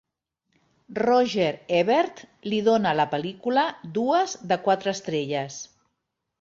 Roger Ebert li dona a la pel·lícula dues de quatre estrelles.